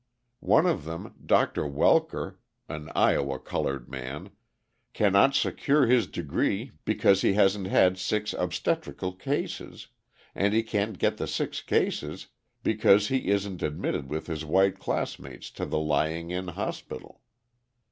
One of them, Dr. Welker (an Iowa coloured man), cannot secure his degree because he hasn't had six obstetrical cases, and he can't get the six cases because he isn't admitted with his white classmates to the Lying in Hospital.